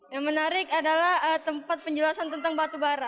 yang menarik adalah tempat penjelasan tentang batubara